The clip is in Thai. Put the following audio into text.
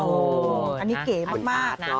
อันนี้เก๋มาก